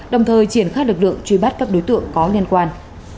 đồng thời triển khai lực lượng truy bắt các đối tượng có liên quan